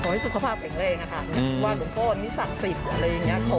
ให้สุขภาพแข็งแรงอะค่ะว่าหลวงพ่อนี่ศักดิ์สิทธิ์อะไรอย่างนี้